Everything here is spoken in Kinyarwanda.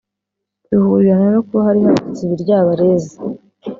bihurirana no kuba hari hadutse ibiryabarezi